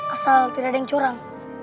asal tidak ada yang curang